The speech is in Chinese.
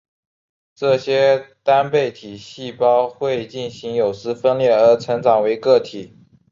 这些单倍体细胞会进行有丝分裂而成长为个体。